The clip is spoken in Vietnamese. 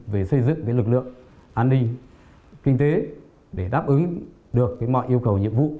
về xây dựng lực lượng an ninh kinh tế để đáp ứng được mọi yêu cầu nhiệm vụ